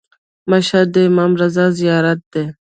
مشهد د امام رضا زیارت دی.